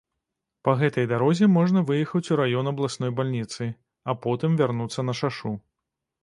Па гэтай дарозе можна выехаць у раён абласной бальніцы, а потым вярнуцца на шашу.